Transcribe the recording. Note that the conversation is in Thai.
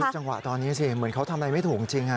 จังหวะตอนนี้สิเหมือนเขาทำอะไรไม่ถูกจริง